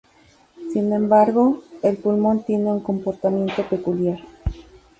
Sin embargo el pulmón tiene un comportamiento peculiar.